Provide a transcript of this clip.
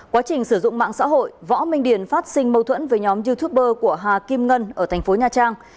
quá trình sử dụng mạng xã hội võ minh điển phát sinh mâu thuẫn với nhóm youtuber của hà kim ngân ở tp nha trang